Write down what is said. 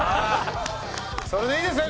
それでいいですね？